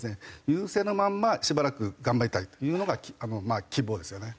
優勢のまんましばらく頑張りたいというのがまあ希望ですよね。